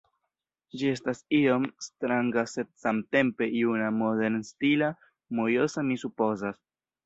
Ĝi estas iom stranga sed samtempe juna, modernstila, mojosa mi supozas